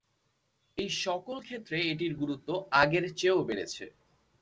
এই সকল ক্ষেত্রে এটির গুরুত্ব আগের চেয়েও বেড়েছে।